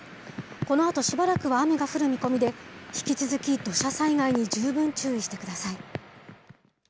このあとしばらくは雨が降る見込みで、引き続き、土砂災害に十分注意してください。